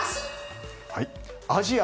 アジア